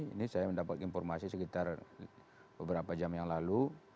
ini saya mendapat informasi sekitar beberapa jam yang lalu